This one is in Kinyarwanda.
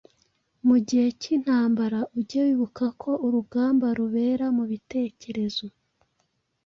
Mu gihe cy’intambara, ujye wibuka ko urugamba rubera mu bitekerezo.